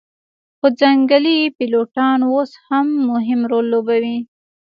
خو ځنګلي پیلوټان اوس هم مهم رول لوبوي